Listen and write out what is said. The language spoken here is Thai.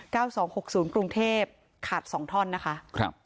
สองหกศูนย์กรุงเทพขาดสองท่อนนะคะครับ